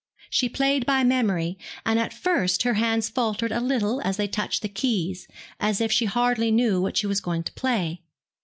She played by memory, and at first her hands faltered a little as they touched the keys, as if she hardly knew what she was going to play.